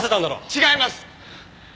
違います！